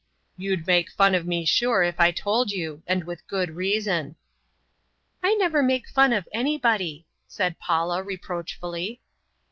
"You'd make fun of me sure, if I told you and with good reason!" "I never make fun of anybody," said Paula reproachfully.